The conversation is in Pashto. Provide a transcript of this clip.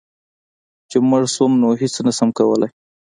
چي مړ شوم نو هيڅ نشم کولی